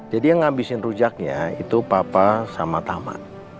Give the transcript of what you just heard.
jadi yang ngabisin rujaknya itu papa sama tama